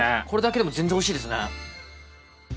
これだけでも全然おいしいですね。